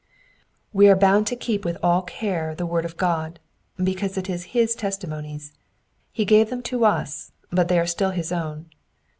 '' We are bound to keep with all care the word of God, because it is hi$ testimonies. He gave them to us, but they are still his own.